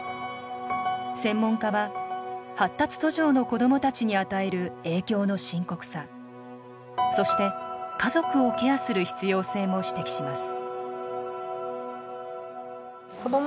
専門家は発達途上の子どもたちに与える影響の深刻さそして家族をケアする必要性も指摘します。